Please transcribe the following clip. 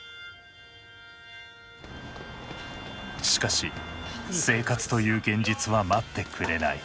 しかし生活という現実は待ってくれない。